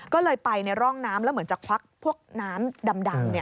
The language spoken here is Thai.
ก็เลยไปในร่องน้ำแล้วเหมือนจะควักพวกน้ำดำ